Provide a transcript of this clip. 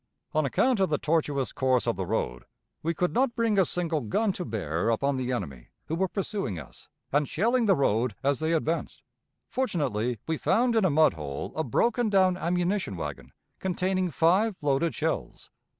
On account of the tortuous course of the road, we could not bring a single gun to bear upon the enemy who were pursuing us, and shelling the road as they advanced. Fortunately, we found in a mud hole a broken down ammunition wagon containing five loaded shells.